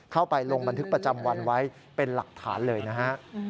ไปลงบันทึกประจำวันไว้เป็นหลักฐานเลยนะฮะ